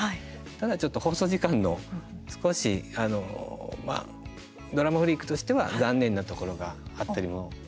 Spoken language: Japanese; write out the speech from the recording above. ただ、ちょっと放送時間の少しドラマフリークとしては残念なところがあったりも。